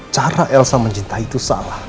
cara elsa mencintai itu salah